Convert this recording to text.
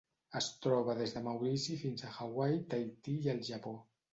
Es troba des de Maurici fins a Hawaii, Tahití i el Japó.